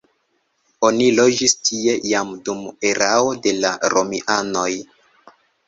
Oni loĝis tie jam dum erao de la romianoj.